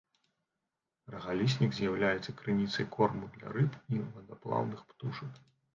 Рагаліснік з'яўляецца крыніцай корму для рыб і вадаплаўных птушак.